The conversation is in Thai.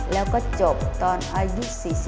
แล้วก็จบตอนอายุ๔๐